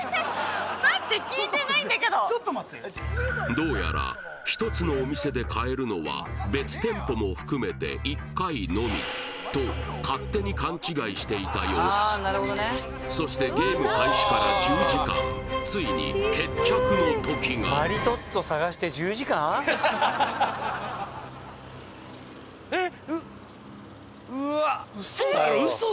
どうやら１つのお店で買えるのは別店舗も含めて１回のみと勝手に勘違いしていた様子そしてゲーム開始から１０時間ついに決着の時がえっ？